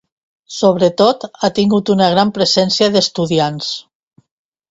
Sobretot, ha tingut una gran presència d'estudiants.